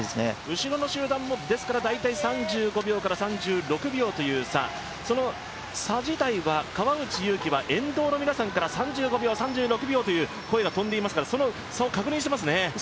後ろの集団も大体３５秒から３６秒という差、その差自体は川内優輝は沿道の皆さんから３５秒、３６秒という声が飛んでいますから、その差を確認していますね。